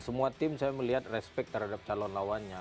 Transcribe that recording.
semua tim saya melihat respect terhadap calon lawannya